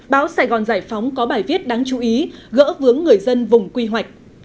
báo sài gòn giải phóng có bài viết đáng chú ý gỡ vướng người dân vùng quy hoạch